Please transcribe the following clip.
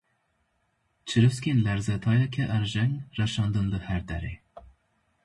Çirûskên lerzetayeke erjeng reşandin li her derê.